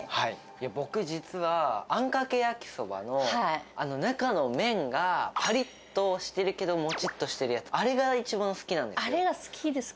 僕、実は、あんかけ焼きそばの、あの中の麺がぱりっとしてるけど、もちっとしてるやつ、あれが一番あれが好きですか。